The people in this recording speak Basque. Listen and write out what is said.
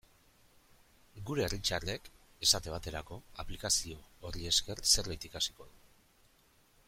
Gure Richardek, esate baterako, aplikazio horri esker zerbait ikasiko du.